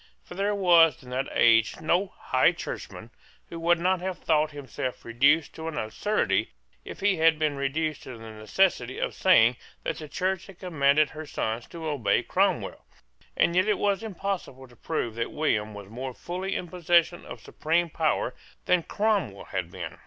For there was in that age no High Churchman who would not have thought himself reduced to an absurdity if he had been reduced to the necessity of saying that the Church had commanded her sons to obey Cromwell. And yet it was impossible to prove that William was more fully in possession of supreme power than Cromwell had been.